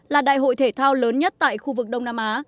là đại hội thể thao lớn nhất tại khu vực đông nam á